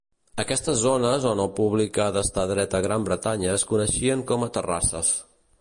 Aquestes zones on el públic ha d'estar dret a Gran Bretanya es coneixien com a "terrasses".